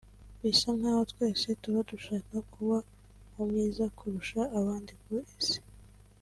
bisa nkaho twese tuba dushaka kuba umwiza kurusha abandi ku isi